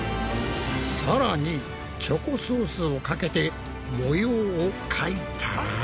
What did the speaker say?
さらにチョコソースをかけて模様を描いたら。